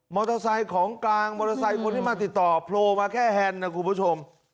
ไซค์ของกลางมอเตอร์ไซค์คนที่มาติดต่อโผล่มาแค่แฮนด์นะคุณผู้ชม